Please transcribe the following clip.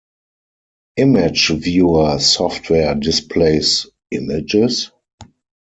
Image viewer software displays images.